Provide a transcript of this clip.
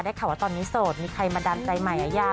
ได้ข่าวว่าตอนนี้โสดมีใครมาดำใจใหม่หรือยัง